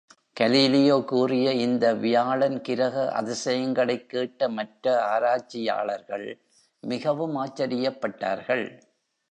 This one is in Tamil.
கலீலியோ கூறிய இந்த வியாழன் கிரக அதிசயங்களைக் கேட்ட மற்ற ஆராய்ச்சியாளர்கள் மிகவும் ஆச்சரியப் பட்டார்கள்!